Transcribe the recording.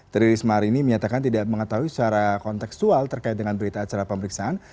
tri risma hari ini menyatakan tidak mengetahui secara konteksual terkait dengan berita acara pemeriksaan